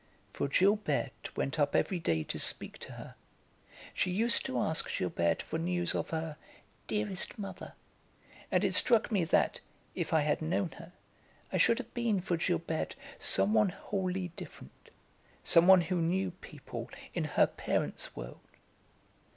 For Gilberte went up every day to speak to her; she used to ask Gilberte for news of her "dearest mother" and it struck me that, if I had known her, I should have been for Gilberte some one wholly different, some one who knew people in her parents' world.